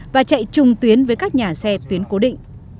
và chạy chung tuyến với các nhà xe tuyến cố định